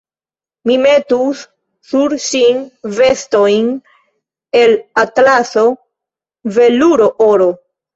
Mi metus sur ŝin vestojn el atlaso, veluro, oro.